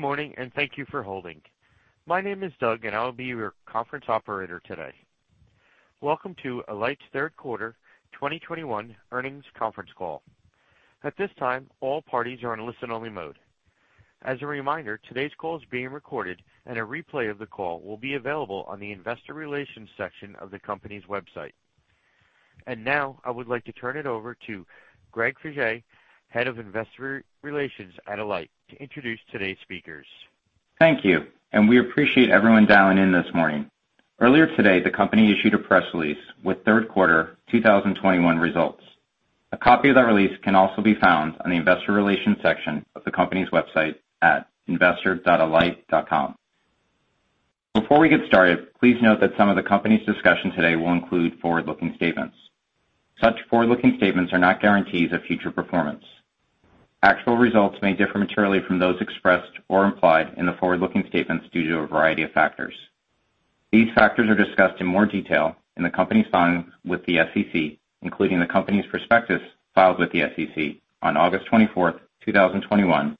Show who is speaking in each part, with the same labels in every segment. Speaker 1: Good morning, and thank you for holding. My name is Doug, and I will be your conference operator today. Welcome to Alight's third quarter 2021 earnings conference call. At this time, all parties are on listen-only mode. As a reminder, today's call is being recorded, and a replay of the call will be available on the investor relations section of the company's website. Now, I would like to turn it over to Greg Faje, Head of Investor Relations at Alight to introduce today's speakers.
Speaker 2: Thank you, and we appreciate everyone dialing in this morning. Earlier today, the company issued a press release with third quarter 2021 results. A copy of that release can also be found on the investor relations section of the company's website at investor.alight.com. Before we get started, please note that some of the company's discussion today will include forward-looking statements. Such forward-looking statements are not guarantees of future performance. Actual results may differ materially from those expressed or implied in the forward-looking statements due to a variety of factors. These factors are discussed in more detail in the company's filings with the SEC, including the company's prospectus filed with the SEC on August 24, 2021,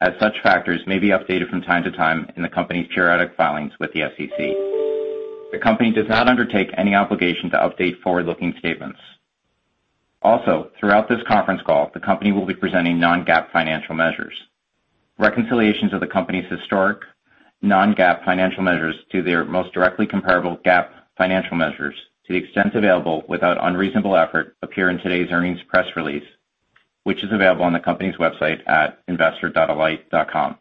Speaker 2: as such factors may be updated from time to time in the company's periodic filings with the SEC. The company does not undertake any obligation to update forward-looking statements. Also, throughout this conference call, the company will be presenting non-GAAP financial measures. Reconciliations of the company's historic non-GAAP financial measures to their most directly comparable GAAP financial measures to the extent available without unreasonable effort appear in today's earnings press release, which is available on the company's website at investor.alight.com.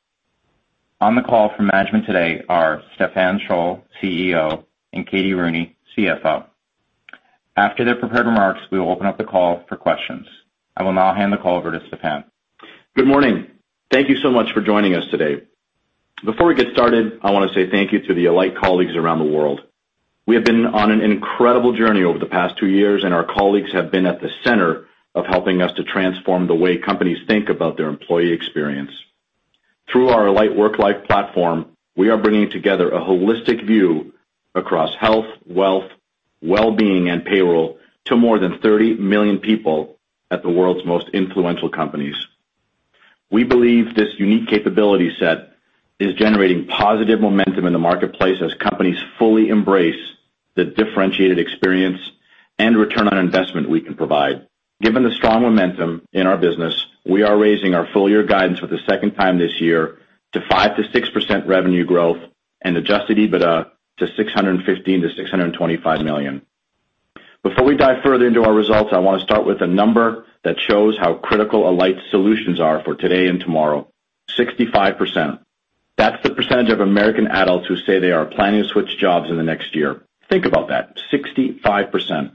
Speaker 2: On the call from management today are Stephan Scholl, CEO, and Katie Rooney, CFO. After their prepared remarks, we will open up the call for questions. I will now hand the call over to Stephan.
Speaker 3: Good morning. Thank you so much for joining us today. Before we get started, I want to say thank you to the Alight colleagues around the world. We have been on an incredible journey over the past two years, and our colleagues have been at the center of helping us to transform the way companies think about their employee experience. Through our Alight Worklife platform, we are bringing together a holistic view across health, wealth, well-being, and payroll to more than 30 million people at the world's most influential companies. We believe this unique capability set is generating positive momentum in the marketplace as companies fully embrace the differentiated experience and return on investment we can provide. Given the strong momentum in our business, we are raising our full-year guidance for the second time this year to 5%-6% revenue growth and adjusted EBITDA to $615 million-$625 million. Before we dive further into our results, I want to start with a number that shows how critical Alight solutions are for today and tomorrow. 65%. That's the percentage of American adults who say they are planning to switch jobs in the next year. Think about that, 65%.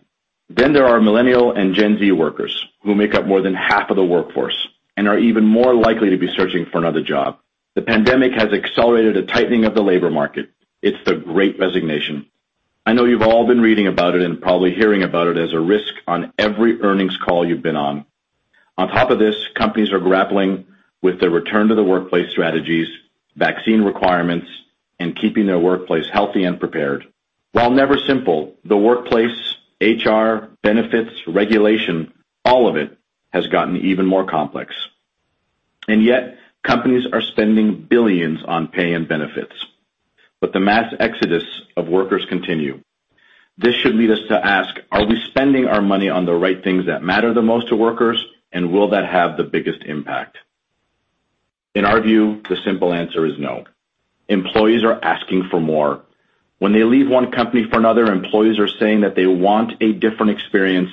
Speaker 3: There are Millennial and Gen Z workers who make up more than half of the workforce and are even more likely to be searching for another job. The pandemic has accelerated a tightening of the labor market. It's the Great Resignation. I know you've all been reading about it and probably hearing about it as a risk on every earnings call you've been on. On top of this, companies are grappling with the return to the workplace strategies, vaccine requirements, and keeping their workplace healthy and prepared. While never simple, the workplace, HR, benefits, regulation, all of it has gotten even more complex. Yet companies are spending billions on pay and benefits. The mass exodus of workers continue. This should lead us to ask, are we spending our money on the right things that matter the most to workers, and will that have the biggest impact? In our view, the simple answer is no. Employees are asking for more. When they leave one company for another, employees are saying that they want a different experience,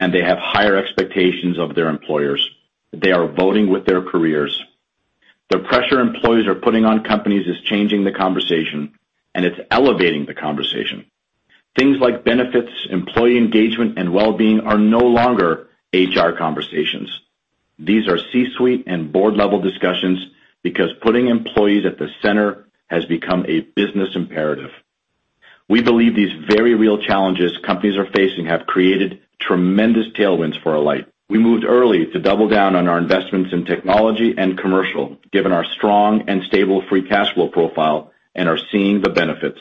Speaker 3: and they have higher expectations of their employers. They are voting with their careers. The pressure employees are putting on companies is changing the conversation, and it's elevating the conversation. Things like benefits, employee engagement, and well-being are no longer HR conversations. These are C-suite and board-level discussions because putting employees at the center has become a business imperative. We believe these very real challenges companies are facing have created tremendous tailwinds for Alight. We moved early to double down on our investments in technology and commercial, given our strong and stable free cash flow profile, and are seeing the benefits.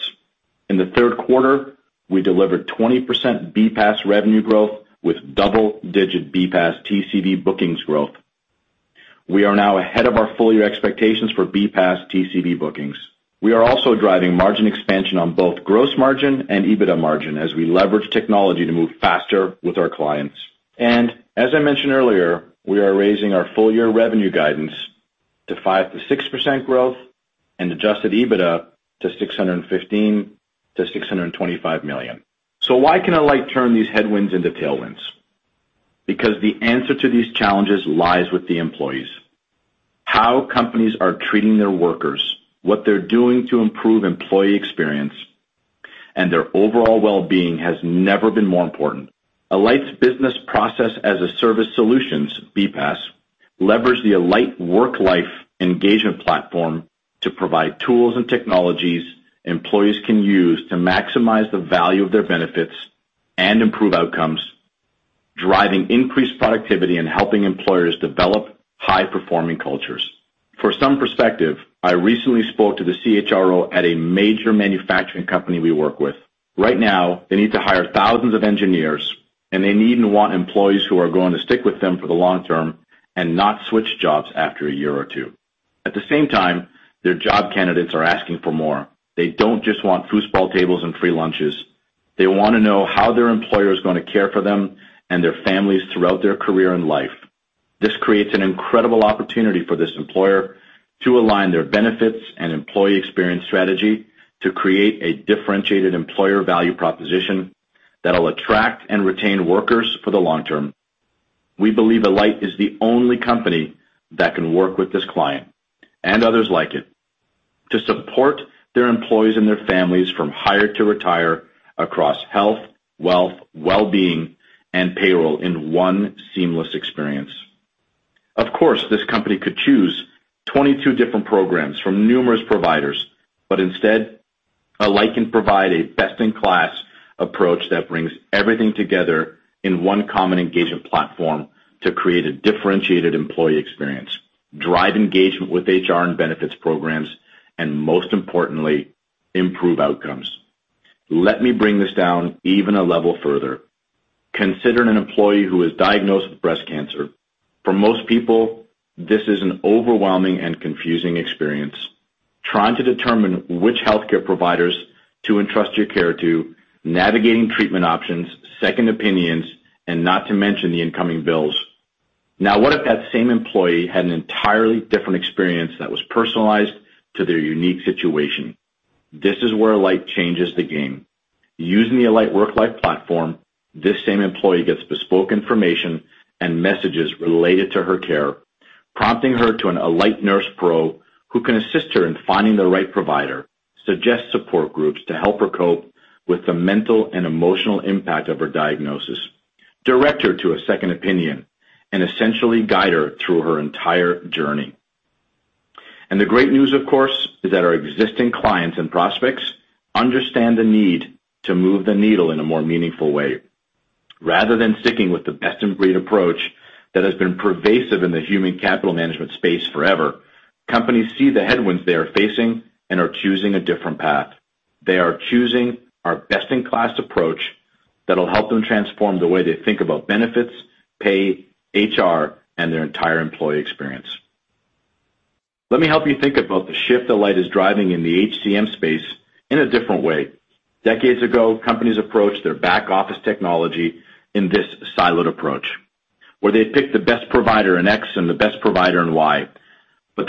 Speaker 3: In the third quarter, we delivered 20% BPaaS revenue growth with double-digit BPaaS TCV bookings growth. We are now ahead of our full-year expectations for BPaaS TCV bookings. We are also driving margin expansion on both gross margin and EBITDA margin as we leverage technology to move faster with our clients. As I mentioned earlier, we are raising our full-year revenue guidance to 5%-6% growth and adjusted EBITDA to $615 million-$625 million. Why can Alight turn these headwinds into tailwinds? Because the answer to these challenges lies with the employees. How companies are treating their workers, what they're doing to improve employee experience, and their overall well-being has never been more important. Alight's business process as a service solutions, BPaaS, leverage the Alight Worklife engagement platform to provide tools and technologies employees can use to maximize the value of their benefits and improve outcomes, driving increased productivity and helping employers develop high-performing cultures. For some perspective, I recently spoke to the CHRO at a major manufacturing company we work with. Right now, they need to hire thousands of engineers. They need and want employees who are going to stick with them for the long term and not switch jobs after a year or two. At the same time, their job candidates are asking for more. They don't just want foosball tables and free lunches. They wanna know how their employer is gonna care for them and their families throughout their career and life. This creates an incredible opportunity for this employer to align their benefits and employee experience strategy to create a differentiated employer value proposition that'll attract and retain workers for the long term. We believe Alight is the only company that can work with this client, and others like it, to support their employees and their families from hire to retire across health, wealth, wellbeing, and payroll in one seamless experience. Of course, this company could choose 22 different programs from numerous providers, but instead, Alight can provide a best-in-class approach that brings everything together in one common engagement platform to create a differentiated employee experience, drive engagement with HR and benefits programs, and most importantly, improve outcomes. Let me bring this down even a level further. Consider an employee who is diagnosed with breast cancer. For most people, this is an overwhelming and confusing experience, trying to determine which healthcare providers to entrust your care to, navigating treatment options, second opinions, and not to mention the incoming bills. Now, what if that same employee had an entirely different experience that was personalized to their unique situation? This is where Alight changes the game. Using the Alight Worklife platform, this same employee gets bespoke information and messages related to her care, prompting her to an Alight Nurse Pro who can assist her in finding the right provider, suggest support groups to help her cope with the mental and emotional impact of her diagnosis, direct her to a second opinion, and essentially guide her through her entire journey. The great news, of course, is that our existing clients and prospects understand the need to move the needle in a more meaningful way. Rather than sticking with the best in breed approach that has been pervasive in the human capital management space forever, companies see the headwinds they are facing and are choosing a different path. They are choosing our best in class approach that'll help them transform the way they think about benefits, pay, HR, and their entire employee experience. Let me help you think about the shift Alight is driving in the HCM space in a different way. Decades ago, companies approached their back office technology in this siloed approach, where they picked the best provider in X and the best provider in Y.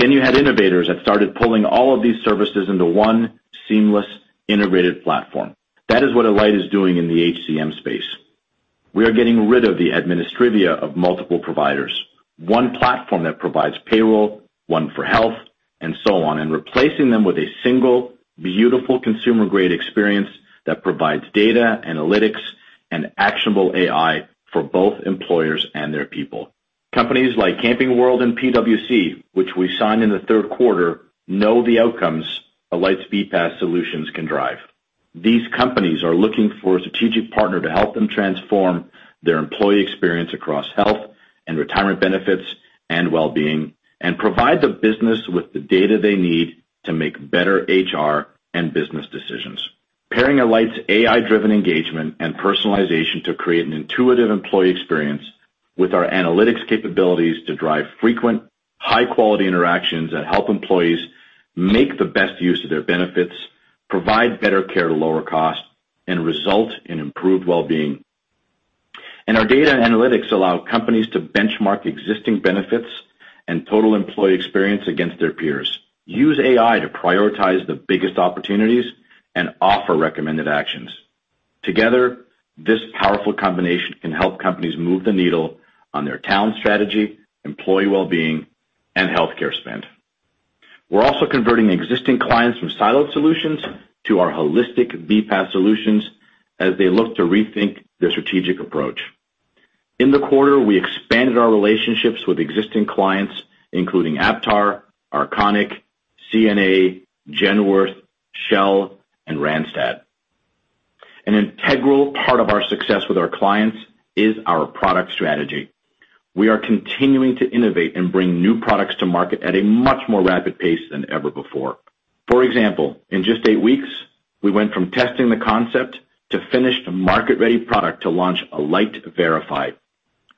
Speaker 3: You had innovators that started pulling all of these services into one seamless integrated platform. That is what Alight is doing in the HCM space. We are getting rid of the administrivia of multiple providers. One platform that provides payroll, one for health, and so on, and replacing them with a single beautiful consumer-grade experience that provides data, analytics, and actionable AI for both employers and their people. Companies like Camping World and PwC, which we signed in the third quarter, know the outcomes Alight's BPaaS solutions can drive. These companies are looking for a strategic partner to help them transform their employee experience across health and retirement benefits and wellbeing, and provide the business with the data they need to make better HR and business decisions, pairing Alight's AI-driven engagement and personalization to create an intuitive employee experience with our analytics capabilities to drive frequent, high-quality interactions that help employees make the best use of their benefits, provide better care at a lower cost, and result in improved wellbeing. Our data and analytics allow companies to benchmark existing benefits and total employee experience against their peers, use AI to prioritize the biggest opportunities, and offer recommended actions. Together, this powerful combination can help companies move the needle on their talent strategy, employee wellbeing, and healthcare spend. We're also converting existing clients from siloed solutions to our holistic BPaaS solutions as they look to rethink their strategic approach. In the quarter, we expanded our relationships with existing clients, including Aptar, Arconic, CNA, Genworth, Shell, and Randstad. An integral part of our success with our clients is our product strategy. We are continuing to innovate and bring new products to market at a much more rapid pace than ever before. For example, in just eight weeks, we went from testing the concept to finished market-ready product to launch Alight Verify.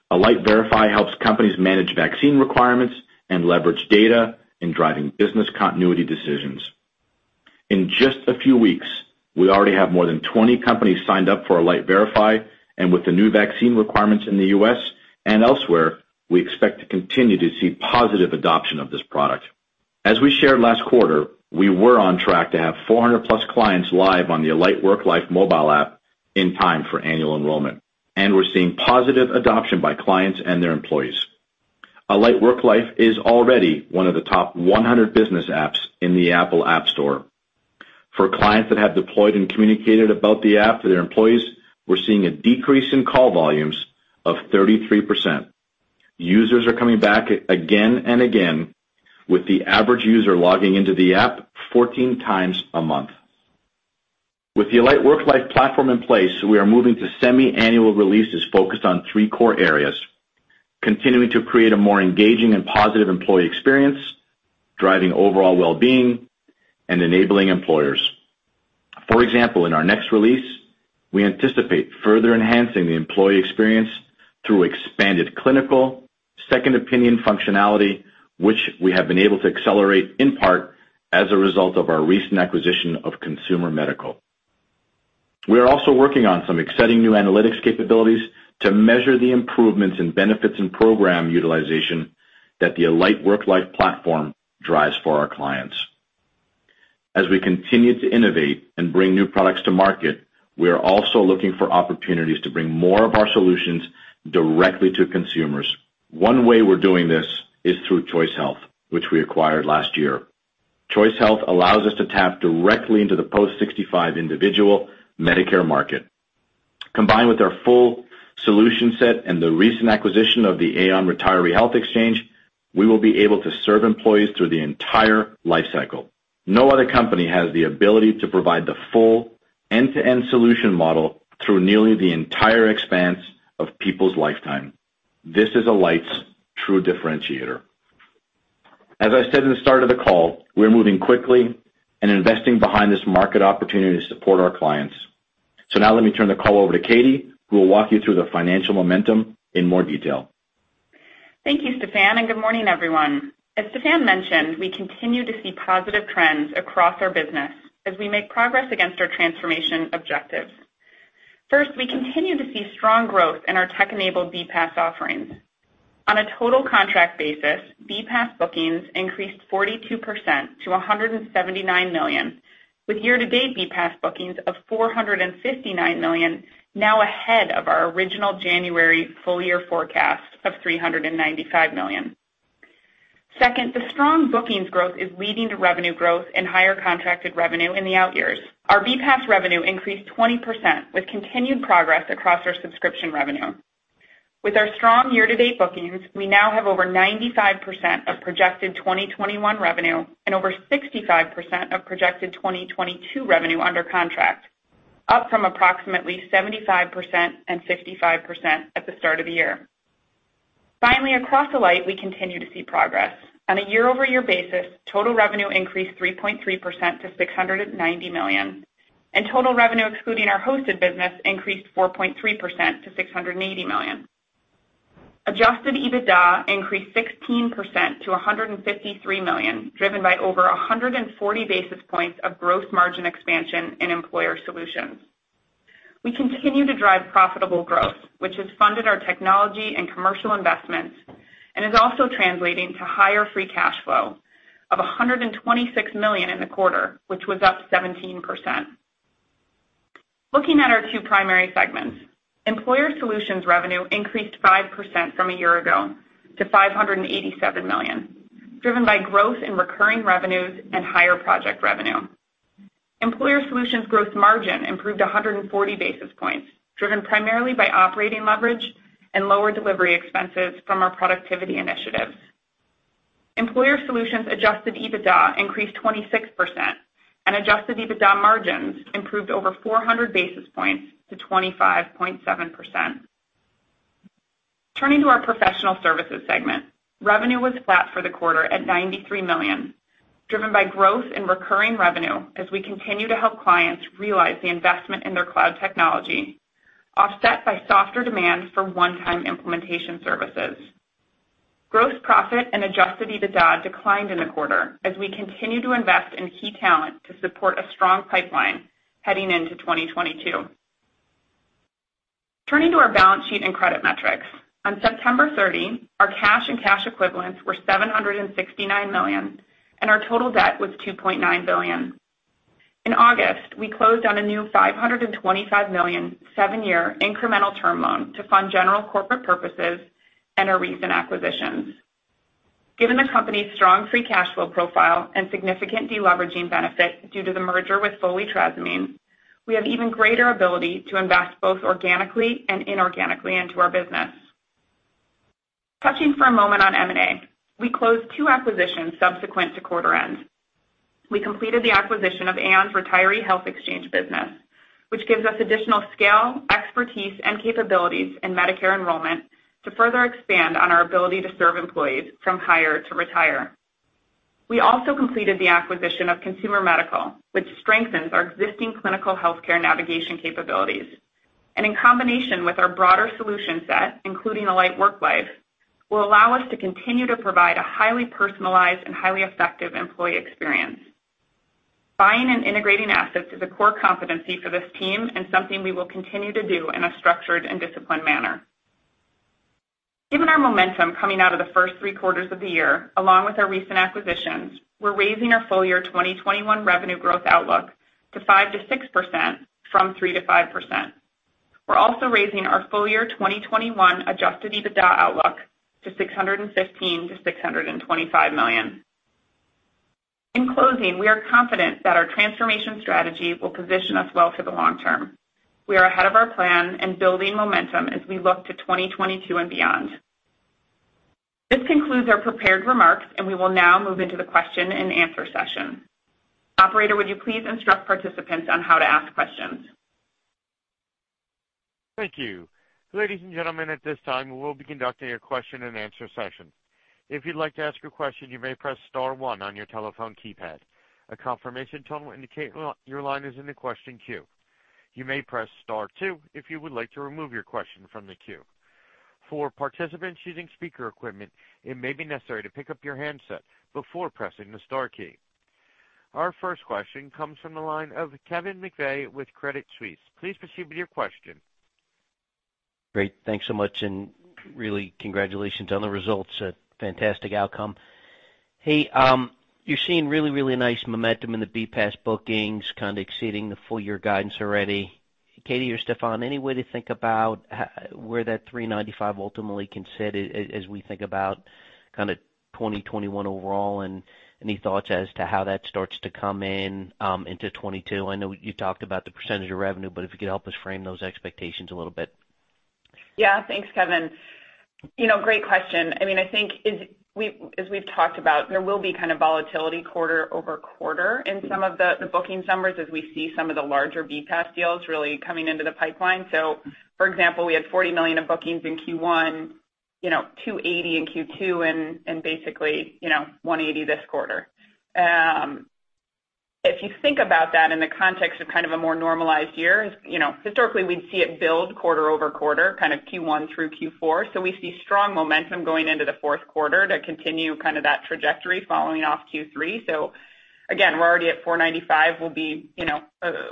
Speaker 3: Alight Verify helps companies manage vaccine requirements and leverage data in driving business continuity decisions. In just a few weeks, we already have more than 20 companies signed up for Alight Verify, and with the new vaccine requirements in the U.S. and elsewhere, we expect to continue to see positive adoption of this product. As we shared last quarter, we were on track to have 400+ clients live on the Alight Worklife mobile app in time for annual enrollment, and we're seeing positive adoption by clients and their employees. Alight Worklife is already one of the top 100 business apps in the Apple App Store. For clients that have deployed and communicated about the app to their employees, we're seeing a decrease in call volumes of 33%. Users are coming back again and again, with the average user logging into the app 14 times a month. With the Alight Worklife platform in place, we are moving to semi-annual releases focused on three core areas, continuing to create a more engaging and positive employee experience, driving overall well-being, and enabling employers. For example, in our next release, we anticipate further enhancing the employee experience through expanded clinical second opinion functionality, which we have been able to accelerate in part as a result of our recent acquisition of ConsumerMedical. We are also working on some exciting new analytics capabilities to measure the improvements in benefits and program utilization that the Alight Worklife platform drives for our clients. As we continue to innovate and bring new products to market, we are also looking for opportunities to bring more of our solutions directly to consumers. One way we're doing this is through Choice Health, which we acquired last year. Choice Health allows us to tap directly into the post-65 individual Medicare market. Combined with our full solution set and the recent acquisition of the Aon Retiree Health Exchange, we will be able to serve employees through the entire life cycle. No other company has the ability to provide the full end-to-end solution model through nearly the entire expanse of people's lifetime. This is Alight's true differentiator. As I said in the start of the call, we're moving quickly and investing behind this market opportunity to support our clients. Now let me turn the call over to Katie, who will walk you through the financial momentum in more detail.
Speaker 4: Thank you, Stephan, and good morning, everyone. As Stephan mentioned, we continue to see positive trends across our business as we make progress against our transformation objectives. First, we continue to see strong growth in our tech-enabled BPaaS offerings. On a total contract basis, BPaaS bookings increased 42% to $179 million, with year-to-date BPaaS bookings of $459 million now ahead of our original January full year forecast of $395 million. Second, the strong bookings growth is leading to revenue growth and higher contracted revenue in the outyears. Our BPaaS revenue increased 20% with continued progress across our subscription revenue. With our strong year-to-date bookings, we now have over 95% of projected 2021 revenue and over 65% of projected 2022 revenue under contract, up from approximately 75% and 55% at the start of the year. Finally, across Alight, we continue to see progress. On a year-over-year basis, total revenue increased 3.3% to $690 million, and total revenue excluding our hosted business increased 4.3% to $680 million. Adjusted EBITDA increased 16% to $153 million, driven by over 140 basis points of gross margin expansion in Employer Solutions. We continue to drive profitable growth, which has funded our technology and commercial investments and is also translating to higher free cash flow of $126 million in the quarter, which was up 17%. Looking at our two primary segments, Employer Solutions revenue increased 5% from a year ago to $587 million, driven by growth in recurring revenues and higher project revenue. Employer Solutions gross margin improved 140 basis points, driven primarily by operating leverage and lower delivery expenses from our productivity initiatives. Employer Solutions adjusted EBITDA increased 26%, and adjusted EBITDA margins improved over 400 basis points to 25.7%. Turning to our Professional Services segment, revenue was flat for the quarter at $93 million, driven by growth in recurring revenue as we continue to help clients realize the investment in their cloud technology, offset by softer demand for one-time implementation services. Gross profit and adjusted EBITDA declined in the quarter as we continue to invest in key talent to support a strong pipeline heading into 2022. Turning to our balance sheet and credit metrics. On September 30, our cash and cash equivalents were $769 million, and our total debt was $2.9 billion. In August, we closed on a new $525 million, seven-year incremental term loan to fund general corporate purposes and our recent acquisitions. Given the company's strong free cash flow profile and significant deleveraging benefit due to the merger with Foley Trasimene, we have even greater ability to invest both organically and inorganically into our business. Touching for a moment on M&A. We closed two acquisitions subsequent to quarter end. We completed the acquisition of Aon's Retiree Health Exchange business, which gives us additional scale, expertise, and capabilities in Medicare enrollment to further expand on our ability to serve employees from hire to retire. We also completed the acquisition of ConsumerMedical, which strengthens our existing clinical healthcare navigation capabilities, and in combination with our broader solution set, including Alight Worklife, will allow us to continue to provide a highly personalized and highly effective employee experience. Buying and integrating assets is a core competency for this team and something we will continue to do in a structured and disciplined manner. Given our momentum coming out of the first three quarters of the year, along with our recent acquisitions, we're raising our full year 2021 revenue growth outlook to 5%-6% from 3%-5%. We're also raising our full year 2021 adjusted EBITDA outlook to $615 million-$625 million. In closing, we are confident that our transformation strategy will position us well for the long term. We are ahead of our plan and building momentum as we look to 2022 and beyond. This concludes our prepared remarks, and we will now move into the question-and-answer session. Operator, would you please instruct participants on how to ask questions?
Speaker 1: Thank you. Ladies and gentlemen, at this time, we will be conducting a question and answer session. If you'd like to ask a question, you may press star one on your telephone keypad. A confirmation tone will indicate your line is in the question queue. You may press star two if you would like to remove your question from the queue. For participants using speaker equipment, it may be necessary to pick up your handset before pressing the star key. Our first question comes from the line of Kevin McVeigh with Credit Suisse. Please proceed with your question.
Speaker 5: Great. Thanks so much, and really congratulations on the results. A fantastic outcome. Hey, you're seeing really nice momentum in the BPaaS bookings, kind of exceeding the full year guidance already. Katie or Stephan, any way to think about where that $395 ultimately can sit as we think about kinda 2021 overall, and any thoughts as to how that starts to come in into 2022? I know you talked about the percentage of revenue, but if you could help us frame those expectations a little bit.
Speaker 4: Yeah. Thanks, Kevin. You know, great question. I mean, I think as we've talked about, there will be kind of volatility quarter over quarter in some of the booking numbers as we see some of the larger BPaaS deals really coming into the pipeline. So for example, we had $40 million of bookings in Q1, you know, $280 million in Q2 and basically, you know, $180 million this quarter. If you think about that in the context of kind of a more normalized year, you know, historically we'd see it build quarter over quarter, kind of Q1 through Q4. So we see strong momentum going into the fourth quarter to continue kind of that trajectory following off Q3. So again, we're already at $495 million. We'll be, you know,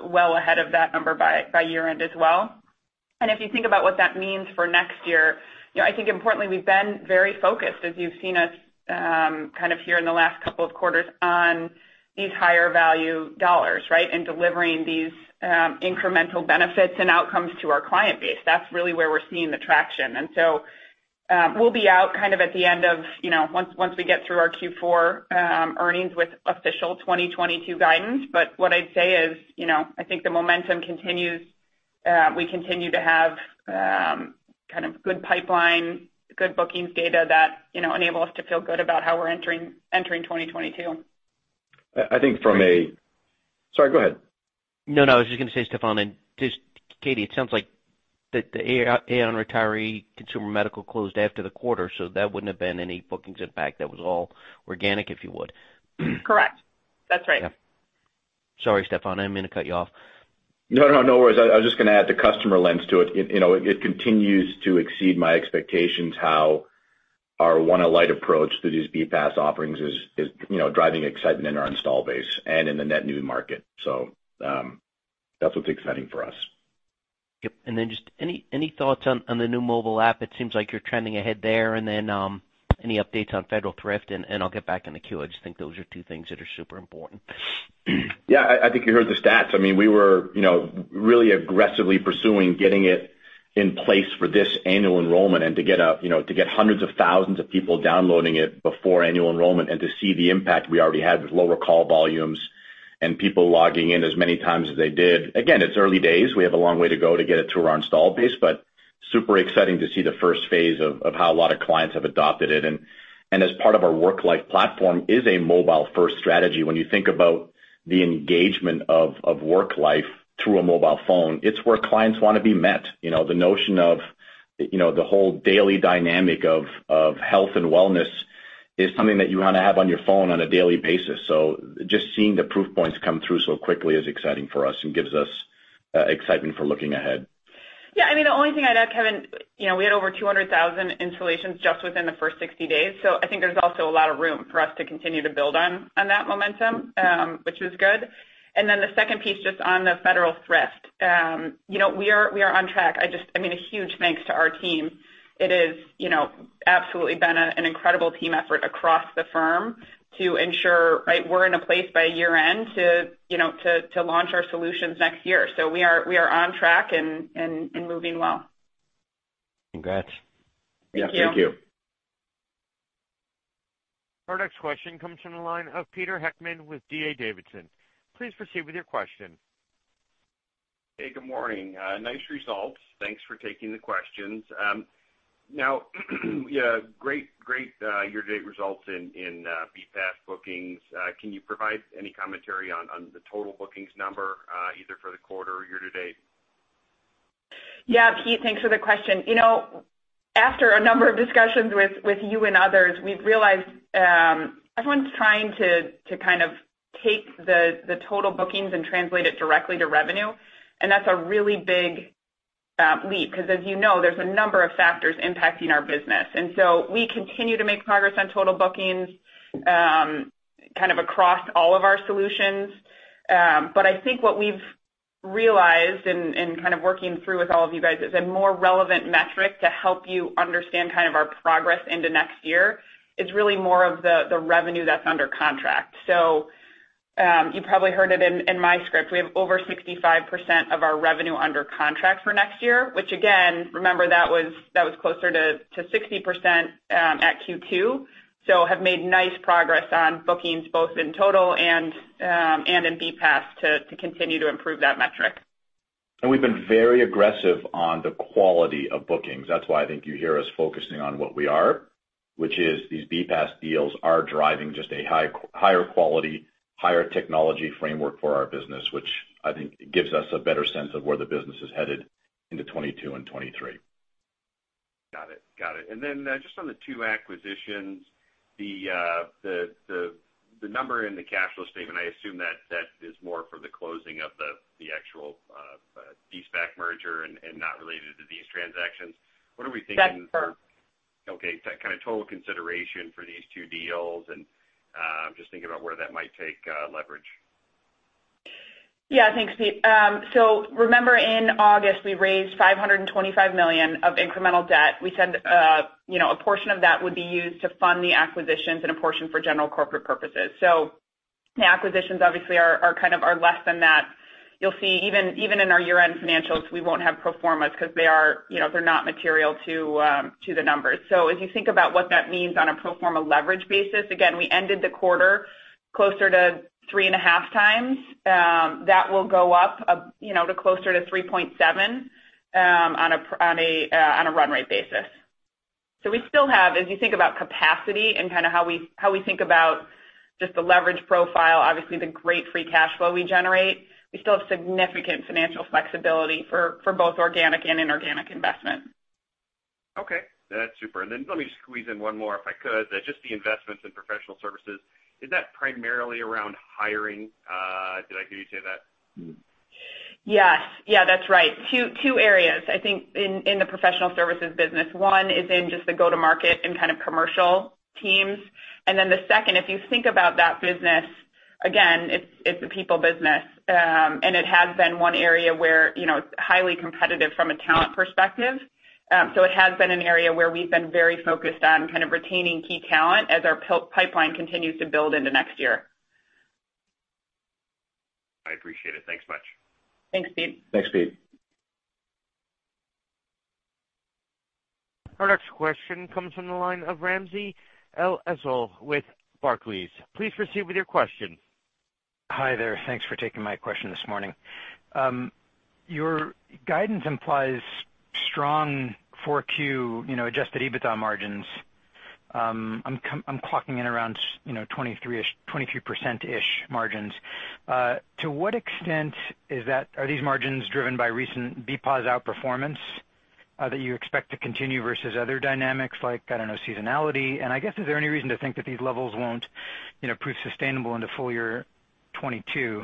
Speaker 4: well ahead of that number by year end as well. If you think about what that means for next year, you know, I think importantly we've been very focused as you've seen us, kind of here in the last couple of quarters on these higher value dollars, right? In delivering these, incremental benefits and outcomes to our client base. That's really where we're seeing the traction. We'll be out kind of at the end of, you know, once we get through our Q4, earnings with official 2022 guidance. But what I'd say is, you know, I think the momentum continues. We continue to have, kind of good pipeline, good bookings data that, you know, enable us to feel good about how we're entering 2022.
Speaker 3: Sorry, go ahead.
Speaker 5: No, no, I was just gonna say, Stephan, and just Katie, it sounds like the Aon Retiree, ConsumerMedical closed after the quarter, so that wouldn't have been any bookings impact. That was all organic, if you would.
Speaker 4: Correct. That's right.
Speaker 5: Yeah. Sorry, Stephan. I didn't mean to cut you off.
Speaker 3: No worries. I was just gonna add the customer lens to it. You know, it continues to exceed my expectations how our OneAlight approach to these BPaaS offerings is, you know, driving excitement in our install base and in the net new market. That's what's exciting for us.
Speaker 5: Yep. Just any thoughts on the new mobile app? It seems like you're trending ahead there. Any updates on Federal Thrift, and I'll get back in the queue. I just think those are two things that are super important.
Speaker 3: Yeah. I think you heard the stats. I mean, we were, you know, really aggressively pursuing getting it in place for this annual enrollment and to get out, you know, to get hundreds of thousands of people downloading it before annual enrollment and to see the impact we already had with lower call volumes and people logging in as many times as they did. Again, it's early days. We have a long way to go to get it to our install base, but super exciting to see the first phase of how a lot of clients have adopted it. As part of our Worklife platform is a mobile-first strategy. When you think about the engagement of Worklife through a mobile phone, it's where clients wanna be met. You know, the notion of, you know, the whole daily dynamic of health and wellness is something that you wanna have on your phone on a daily basis. Just seeing the proof points come through so quickly is exciting for us and gives us excitement for looking ahead.
Speaker 4: Yeah. I mean, the only thing I'd add, Kevin, you know, we had over 200,000 installations just within the first 60 days. I think there's also a lot of room for us to continue to build on that momentum, which is good. Then the second piece, just on the Federal Thrift. You know, we are on track. I mean, a huge thanks to our team. It is, you know, absolutely been an incredible team effort across the firm to ensure, right, we're in a place by year end to launch our solutions next year. So we are on track and moving well.
Speaker 5: Congrats.
Speaker 4: Thank you.
Speaker 3: Yeah. Thank you.
Speaker 1: Our next question comes from the line of Peter Heckmann with D.A. Davidson. Please proceed with your question.
Speaker 6: Hey, good morning. Nice results. Thanks for taking the questions. Now, yeah, great year to date results in BPaaS bookings. Can you provide any commentary on the total bookings number, either for the quarter or year to date?
Speaker 4: Yeah. Pete, thanks for the question. You know, after a number of discussions with you and others, we've realized everyone's trying to kind of take the total bookings and translate it directly to revenue, and that's a really big leap, 'cause as you know, there's a number of factors impacting our business. We continue to make progress on total bookings kind of across all of our solutions. But I think what we've realized and kind of working through with all of you guys is a more relevant metric to help you understand kind of our progress into next year is really more of the revenue that's under contract. You probably heard it in my script. We have over 65% of our revenue under contract for next year, which again, remember that was closer to 60% at Q2. We have made nice progress on bookings both in total and in BPaaS to continue to improve that metric.
Speaker 3: We've been very aggressive on the quality of bookings. That's why I think you hear us focusing on what we are. Which is these BPaaS deals are driving just a higher quality, higher technology framework for our business, which I think gives us a better sense of where the business is headed into 2022 and 2023.
Speaker 6: Got it. Just on the two acquisitions, the number in the cash flow statement, I assume that is more for the closing of the actual de-SPAC merger and not related to these transactions. What are we thinking for-
Speaker 4: That's correct.
Speaker 6: Okay. Kind of total consideration for these two deals, and I'm just thinking about where that might take leverage.
Speaker 4: Yeah. Thanks, Pete. Remember in August, we raised $525 million of incremental debt. We said, you know, a portion of that would be used to fund the acquisitions and a portion for general corporate purposes. The acquisitions obviously are kind of less than that. You'll see even in our year-end financials, we won't have pro formas because they are, you know, they're not material to the numbers. As you think about what that means on a pro forma leverage basis, again, we ended the quarter closer to 3.5x. That will go up, you know, to closer to 3.7 on a run rate basis. We still have, as you think about capacity and kind of how we think about just the leverage profile, obviously the great free cash flow we generate. We still have significant financial flexibility for both organic and inorganic investment.
Speaker 6: Okay. That's super. Let me just squeeze in one more, if I could. Just the investments in Professional Services, is that primarily around hiring? Did I hear you say that?
Speaker 3: Mm.
Speaker 4: Yes. Yeah, that's right. Two areas, I think in the Professional Services business. One is in just the go-to-market and kind of commercial teams. The second, if you think about that business, again, it's a people business. It has been one area where, you know, it's highly competitive from a talent perspective. It has been an area where we've been very focused on kind of retaining key talent as our pipeline continues to build into next year.
Speaker 6: I appreciate it. Thanks much.
Speaker 4: Thanks, Pete.
Speaker 3: Thanks, Pete.
Speaker 1: Our next question comes from the line of Ramsey El-Assal with Barclays. Please proceed with your question.
Speaker 7: Hi there. Thanks for taking my question this morning. Your guidance implies strong Q4, you know, adjusted EBITDA margins. I'm clocking in around, you know, 23%-ish margins. To what extent is that are these margins driven by recent BPaaS outperformance, that you expect to continue versus other dynamics like, I don't know, seasonality? I guess, is there any reason to think that these levels won't, you know, prove sustainable into full year 2022?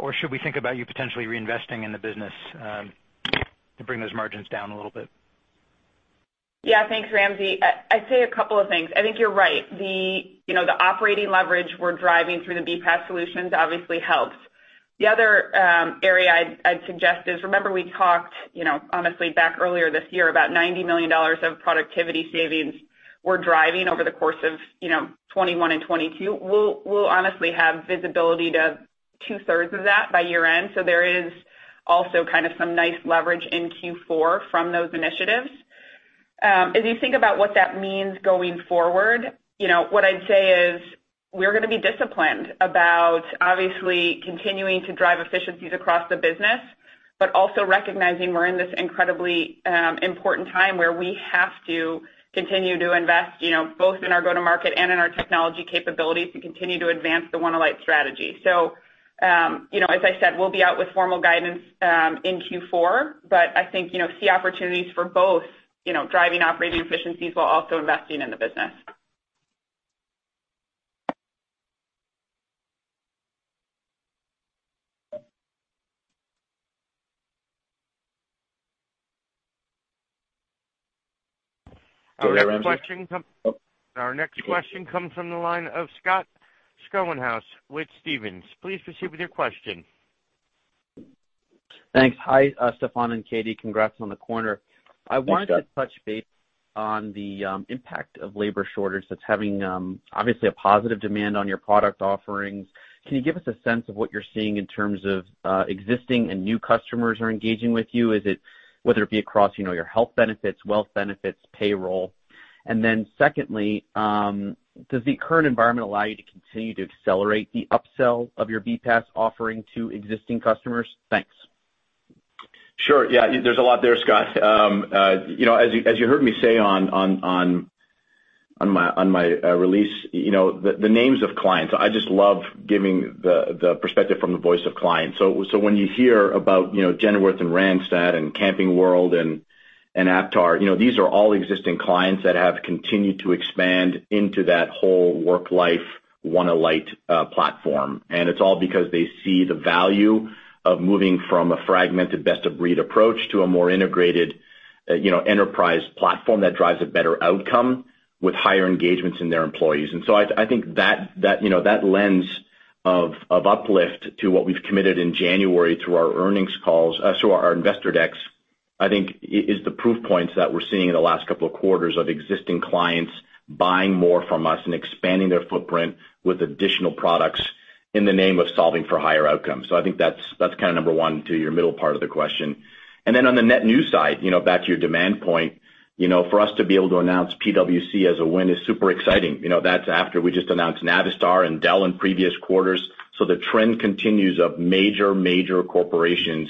Speaker 7: Or should we think about you potentially reinvesting in the business, to bring those margins down a little bit?
Speaker 4: Yeah. Thanks, Ramsey. I'd say a couple of things. I think you're right. The, you know, the operating leverage we're driving through the BPaaS solutions obviously helps. The other area I'd suggest is, remember we talked, you know, honestly back earlier this year about $90 million of productivity savings we're driving over the course of, you know, 2021 and 2022. We'll honestly have visibility to two-thirds of that by year-end. There is also kind of some nice leverage in Q4 from those initiatives. As you think about what that means going forward, you know, what I'd say is we're gonna be disciplined about obviously continuing to drive efficiencies across the business, but also recognizing we're in this incredibly important time where we have to continue to invest, you know, both in our go-to-market and in our technology capabilities to continue to advance the OneAlight strategy. You know, as I said, we'll be out with formal guidance in Q4, but I think, you know, see opportunities for both, you know, driving operating efficiencies while also investing in the business.
Speaker 3: Go ahead, Ramsey.
Speaker 1: Our next question comes.
Speaker 3: Oh.
Speaker 1: Our next question comes from the line of Scott Schoenhaus with Stephens. Please proceed with your question.
Speaker 8: Thanks. Hi, Stephan and Katie. Congrats on the quarter.
Speaker 3: Thanks, Scott.
Speaker 8: I wanted to touch base on the impact of labor shortage that's having obviously a positive demand on your product offerings. Can you give us a sense of what you're seeing in terms of existing and new customers who are engaging with you? Is it whether it be across, you know, your health benefits, wealth benefits, payroll? Secondly, does the current environment allow you to continue to accelerate the upsell of your BPaaS offering to existing customers? Thanks.
Speaker 3: Sure. Yeah, there's a lot there, Scott. You know, as you heard me say on my release, you know, the names of clients, I just love giving the perspective from the voice of clients. When you hear about, you know, Genworth and Randstad and Camping World and Aptar, you know, these are all existing clients that have continued to expand into that whole Worklife OneAlight platform. It's all because they see the value of moving from a fragmented best of breed approach to a more integrated, you know, enterprise platform that drives a better outcome with higher engagements in their employees. I think that you know that lens of uplift to what we've committed in January through our earnings calls, so our investor decks, I think is the proof points that we're seeing in the last couple of quarters of existing clients buying more from us and expanding their footprint with additional products in the name of solving for higher outcomes. I think that's kind of number one to your middle part of the question. On the net new side, you know, back to your demand point, you know, for us to be able to announce PwC as a win is super exciting. You know, that's after we just announced Navistar and Dell in previous quarters. The trend continues of major corporations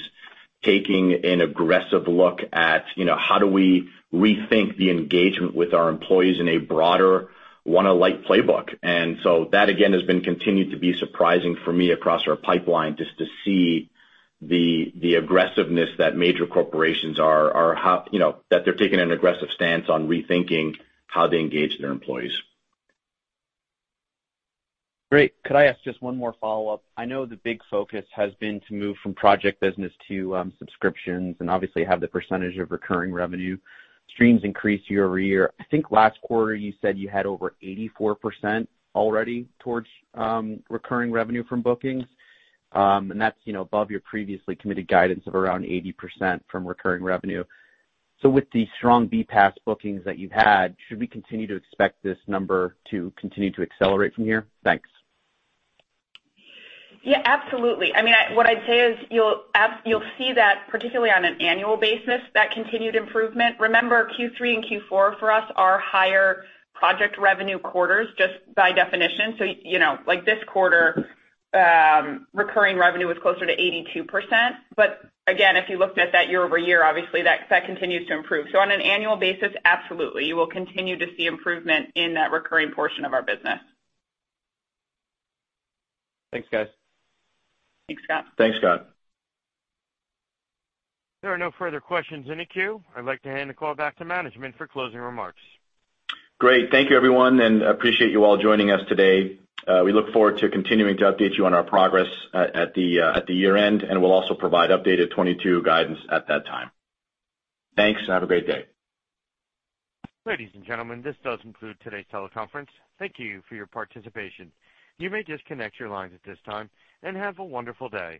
Speaker 3: taking an aggressive look at, you know, how do we rethink the engagement with our employees in a broader OneAlight playbook. That again has been continued to be surprising for me across our pipeline, just to see the aggressiveness that major corporations are, how, you know, that they're taking an aggressive stance on rethinking how they engage their employees.
Speaker 8: Great. Could I ask just one more follow-up? I know the big focus has been to move from project business to subscriptions, and obviously have the percentage of recurring revenue streams increase year-over-year. I think last quarter you said you had over 84% already towards recurring revenue from bookings. That's, you know, above your previously committed guidance of around 80% from recurring revenue. With the strong BPaaS bookings that you've had, should we continue to expect this number to continue to accelerate from here? Thanks.
Speaker 4: Yeah, absolutely. I mean, what I'd say is you'll see that particularly on an annual basis, that continued improvement. Remember, Q3 and Q4 for us are higher project revenue quarters just by definition. So, you know, like this quarter, recurring revenue was closer to 82%. But again, if you looked at that year-over-year, obviously that continues to improve. So on an annual basis, absolutely. You will continue to see improvement in that recurring portion of our business.
Speaker 8: Thanks, guys.
Speaker 4: Thanks, Scott.
Speaker 3: Thanks, Scott.
Speaker 1: There are no further questions in the queue. I'd like to hand the call back to management for closing remarks.
Speaker 3: Great. Thank you everyone, and appreciate you all joining us today. We look forward to continuing to update you on our progress at the year-end, and we'll also provide updated 2022 guidance at that time. Thanks, and have a great day.
Speaker 1: Ladies and gentlemen, this does conclude today's teleconference. Thank you for your participation. You may disconnect your lines at this time, and have a wonderful day.